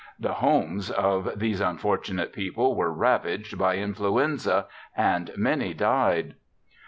The homes of these unfortunate people were ravaged by influenza and many died.